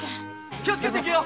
気をつけて行けよ。